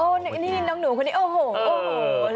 โอ้นี่น้องหนูคนนี้โอ้โหโอ้โห